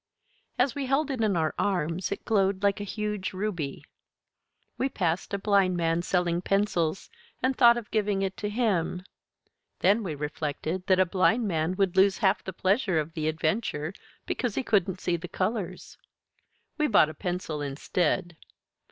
As we held it in our arms it glowed like a huge ruby. We passed a blind man selling pencils, and thought of giving it to him. Then we reflected that a blind man would lose half the pleasure of the adventure because he couldn't see the colors. We bought a pencil instead.